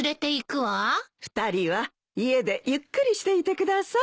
２人は家でゆっくりしていてください。